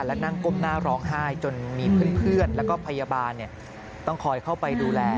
และนั่งก้มหน้าร้องไห้จนมีเพื่อนแล้วก็พยาบาลต้องคอยเข้าไปดูแล